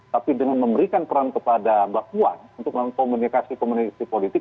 tapi dengan memberikan peran kepada mbak puan untuk melakukan komunikasi komunikasi politik